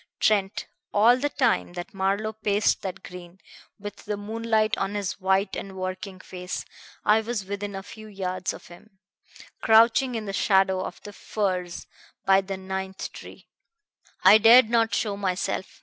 "Trent, all the time that Marlowe paced that green, with the moonlight on his white and working face, I was within a few yards of him, crouching in the shadow of the furze by the ninth tee. I dared not show myself.